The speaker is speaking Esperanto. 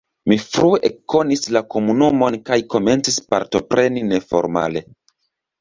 Mi frue ekkonis la komunumon kaj komencis partopreni neformale.